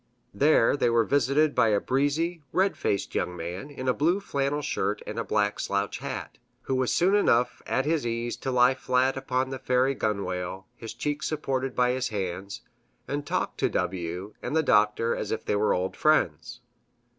There they were visited by a breezy, red faced young man, in a blue flannel shirt and a black slouch hat, who was soon enough at his ease to lie flat upon the ferry gunwale, his cheeks supported by his hands, and talk to W and the Doctor as if they were old friends.